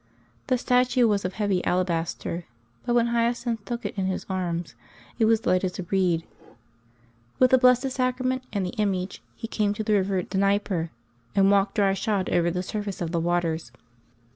The statue was of heavy alabaster, but when Hyacinth took it in his arms it was light as a reed. With the Blessed Sacrament and the image he came to the river Dnieper, and walked dry shod over the surface of the waters.